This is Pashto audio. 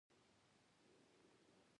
عقاب له څلور تر اتو ځله قوي لید لري.